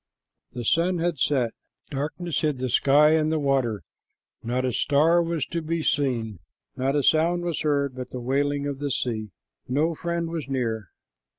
The sun had set, darkness hid the sky and the water, not a star was to be seen. Not a sound was heard but the wailing of the sea. No friend was near.